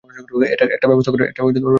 একটা ব্যবস্থা করে নেবো।